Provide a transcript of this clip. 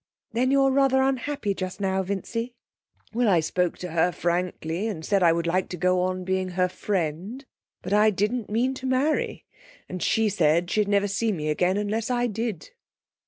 'Then you're rather unhappy just now, Vincy?' 'Well, I spoke to her frankly, and said I would like to go on being her friend, but I didn't mean to marry. And she said she'd never see me again unless I did.'